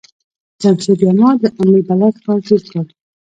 جمشيد يما د ام البلاد ښار جوړ کړ.